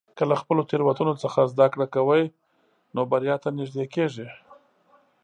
که له خپلو تېروتنو څخه زده کړه کوې، نو بریا ته نږدې کېږې.